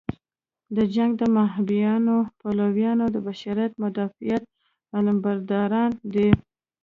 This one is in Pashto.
د جنګ د مهابیانیو پلویان د بشر مدافعت علمبرداران دي.